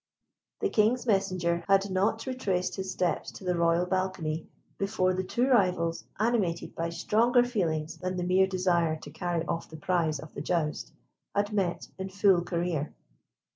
The King's messenger had not retraced his steps to the royal balcony before the two rivals, animated by stronger feelings than the mere desire to carry off the prize of the joust, had met in full career.